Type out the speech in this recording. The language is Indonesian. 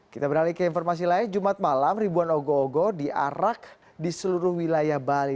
kita beralih ke informasi lain jumat malam ribuan ogo ogo diarak di seluruh wilayah bali